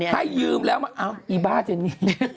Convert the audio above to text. ให้ยืมแล้วมาอ้าวอีบ้าเจนี่